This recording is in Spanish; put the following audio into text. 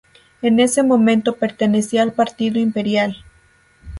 En ese momento pertenecía al partido imperial.